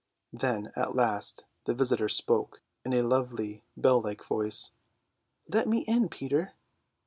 Then at last the visitor spoke, in a lovely bell like voice. "Let me in, Peter."